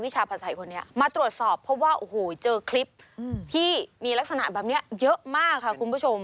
เจอคลิปที่มีลักษณะแบบนี้เยอะมากค่ะคุณผู้ชม